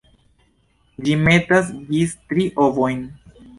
Ĝi metas gis tri ovojn.